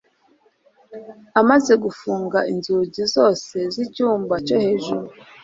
amaze gufunga inzugi zose z'icyumba cyo hejuru